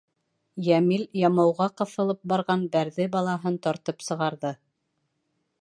Йәмил ямауға ҡыҫылып барған Бәрҙе Балаһын тартып сығарҙы.